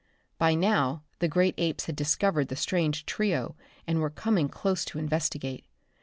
By now the great apes had discovered the strange trio and were coming close to investigate.